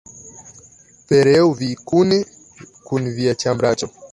Pereu vi kune kun via ĉambraĉo!